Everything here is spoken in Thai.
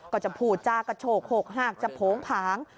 ก็จะพูดจาก็กโหกหากจะโผงผาง